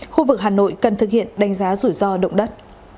khu vực hà nội cần thực hiện đánh giá rủi ro động đất